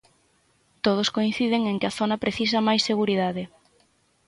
Todos coinciden en que a zona precisa máis seguridade.